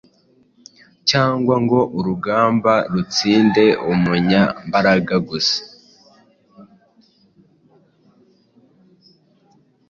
cyangwa ngo urugamba rutsinde umunyambaraga gusa.